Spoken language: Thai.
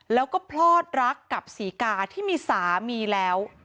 แล้วก็พลอดรักกับศรีกาที่มีสามีแล้ว